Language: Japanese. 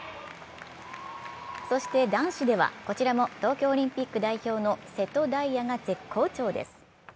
そして、男子ではこちらも東京オリンピック代表の瀬戸大也が絶好調です。